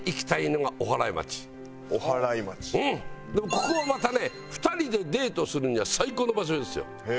ここはまたね２人でデートするには最高の場所ですよ。